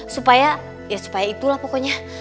supaya ya supaya itulah pokoknya